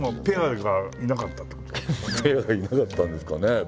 ペアがいなかったんですかね。